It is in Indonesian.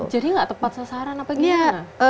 jadi gak tepat sasaran apa kayaknya